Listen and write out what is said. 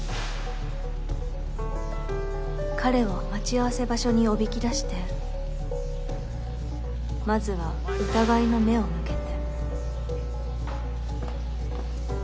彼を待ち合わせ場所におびき出してまずは疑いの目を向けて。